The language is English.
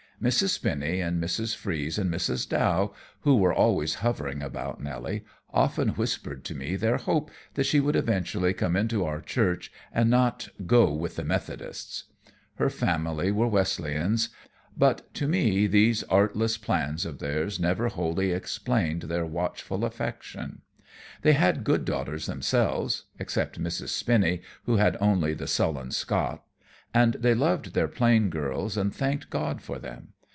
Mrs. Spinny and Mrs. Freeze and Mrs. Dow, who were always hovering about Nelly, often whispered to me their hope that she would eventually come into our church and not "go with the Methodists"; her family were Wesleyans. But to me these artless plans of theirs never wholly explained their watchful affection. They had good daughters themselves, except Mrs. Spinny, who had only the sullen Scott, and they loved their plain girls and thanked God for them.